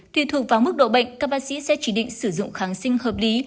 tùy thuộc vào mức độ bệnh các bác sĩ sẽ chỉ định sử dụng kháng sinh hợp lý